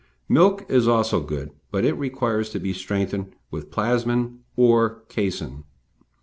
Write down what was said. Milk is also good, but it requires to be strengthened with Plasmon, or casein.